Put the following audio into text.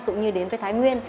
cũng như đến với thái nguyên